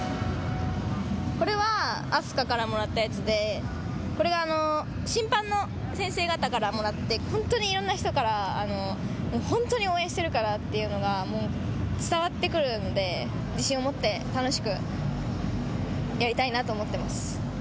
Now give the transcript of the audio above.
これは明日香からもらったやつで、これが審判の先生方からもらって、本当にいろんな人から、本当に応援してるからっていうのが、もう伝わってくるので、自信を持って楽しくやりたいなと思ってます。